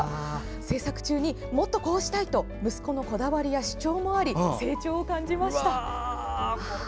制作中にもっとこうしたいと息子のこだわりや主張もあり成長を感じました。